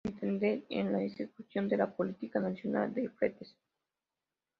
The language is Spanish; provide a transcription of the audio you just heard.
Entender en la ejecución de la política nacional de fletes.